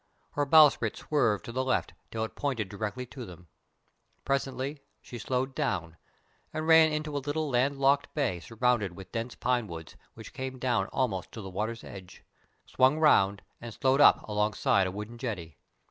Her bowsprit swerved to the left till it pointed directly to them. Presently she slowed down and ran into a little land locked bay surrounded with dense pine woods which came down almost to the water's edge, swung round and slowed up alongside a wooden jetty.